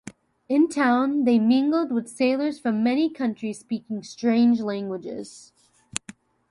In town they mingled with sailors from many countries speaking strange languages.